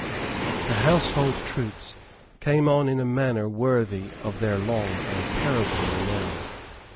The household troops came on in a manner worthy of their long and terrible renown.